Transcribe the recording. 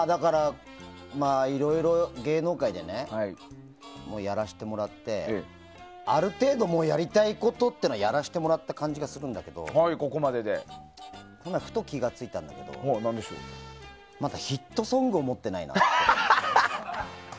いろいろ芸能界でやらせてもらってある程度もうやりたいことってやらせてもらった感じがするんだけど今、ふと気が付いたんだけどまだヒットソングを持ってないなって。